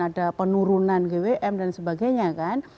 ada penurunan gwm dan sebagainya kan